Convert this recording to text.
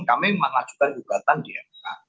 kami mengajukan gugatan di mk